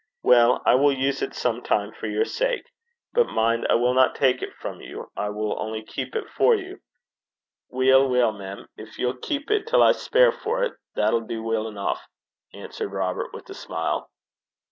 'Well, I will use it sometimes for your sake. But mind, I will not take it from you; I will only keep it for you.' 'Weel, weel, mem; gin ye'll keep it till I speir for 't, that'll du weel eneuch,' answered Robert, with a smile.